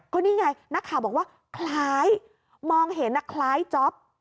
ก็นี่ไงนักข่าวบอกว่าคล้ายมองเห็นคล้ายจ๊อป